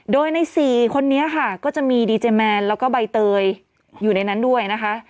โดยใน๔คนนี้ค่ะก็จะมีดีเจแมนแล้วก็ใบเตยอยู่ในนั้นด้วยนะคะ